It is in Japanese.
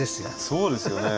そうですよね。